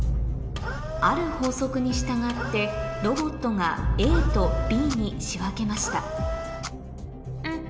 ある法則に従ってロボットがＡとＢに仕分けましたん？